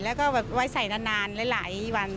และก็ไว้ใส่นานหลายวัน